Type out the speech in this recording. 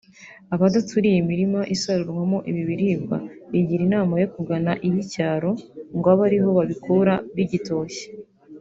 Abadaturiye imirima isarurwamo ibi biribwa bigira inama yo kugana iy’icyaro ngo abe ariho babikura bigitoshye